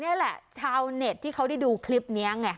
นี่แหละชาวเน็ตที่เขาได้ดูคลิปนี้ไง